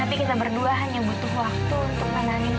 tapi kita berdua hanya butuh waktu untuk menangani